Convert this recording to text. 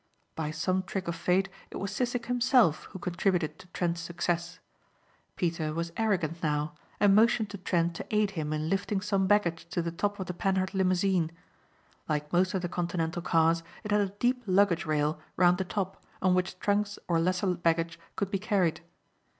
By some trick of fate it was Sissek himself who contributed to Trent's success. Peter was arrogant now and motioned to Trent to aid him in lifting some baggage to the top of the Panhard limousine. Like most of the continental cars it had a deep luggage rail around the top on which trunks or lesser baggage could be carried.